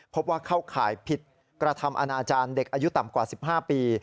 พบว่าเข้าข่ายผิดกระทำอนาจารย์เด็กอายุต่ำกว่า๑๕ปี